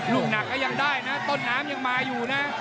ลูกหนักก็ยังได้นะต้นน้ำยังมาอยู่นะ